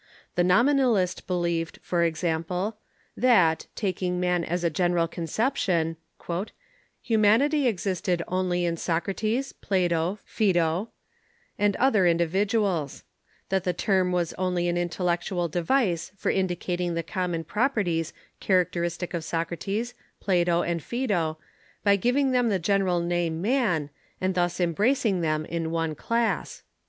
The Nominalist be lieved, for example, that, taking man as a general conception, *' humanity existed only in Socrates, Plato, Pha^do, and other individuals ; that the term was only an intellectual device for indicating the common properties characteristic of Socrates, Plato, and Phasdo, by giving them the general name Man, and thus embracing them in one class."